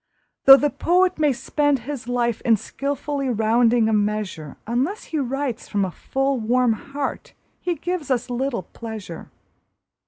Though the poet may spend his life in skilfully rounding a measure, Unless he writes from a full, warm heart he gives us little pleasure.